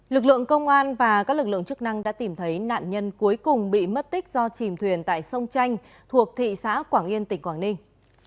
lực lượng công an và các lực lượng chức năng đã tìm thấy nạn nhân cuối cùng bị mất tích do chìm thuyền tại sông chanh thuộc thị xã quảng yên tỉnh quảng ninh